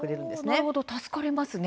なるほど、助かりますね。